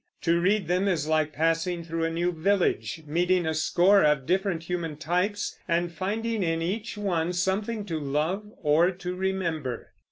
To read them is like passing through a new village, meeting a score of different human types, and finding in each one something to love or to remember.